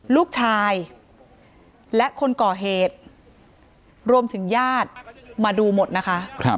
ลูกชายและคนก่อเหตุรวมถึงญาติมาดูหมดนะคะ